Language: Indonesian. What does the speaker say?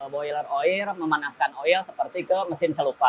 boiler oil memanaskan oil seperti ke mesin celupa